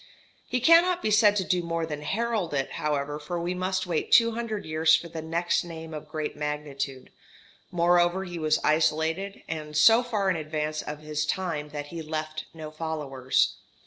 He cannot be said to do more than herald it, however, for we must wait two hundred years for the next name of great magnitude; moreover he was isolated, and so far in advance of his time that he left no followers.